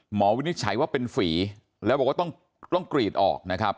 วินิจฉัยว่าเป็นฝีแล้วบอกว่าต้องกรีดออกนะครับ